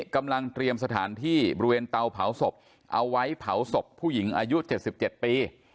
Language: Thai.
กำลังเตรียมสถานที่บริเวณเตาเผาศพเอาไว้เผาศพผู้หญิงอายุ๗๗ปี